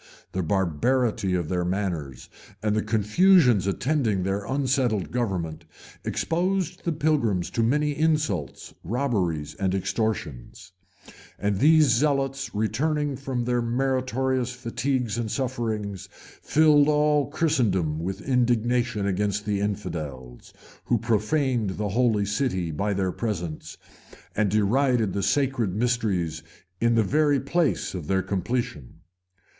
The barbarity of their manners, and the confusions attending their unsettled government, exposed the pilgrims to many insults, robberies, and extortions; and these zealots, returning from their meritorious fatigues and sufferings, filled all Christendom with indignation against the infidels, who profaned the holy city by their presence, and derided the sacred mysteries in the very place of their completion.